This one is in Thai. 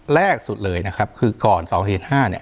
แรกสุดเลยนะครับคือก่อน๒เหตุ๕เนี่ย